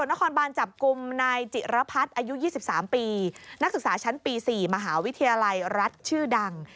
หลักศึกษาชั้นปี๔มหาวิทยาลัยรัฐชื่อดัง